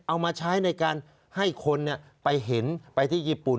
เอามาใช้ในการให้คนไปเห็นไปที่ญี่ปุ่น